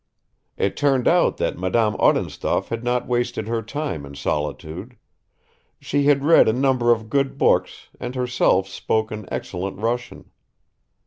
It turned out that Madame Odintsov had not wasted her time in solitude; she had read a number of good books and herself spoke an excellent Russian.